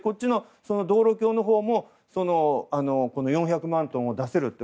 道路橋のほうも４００万トンを出せると。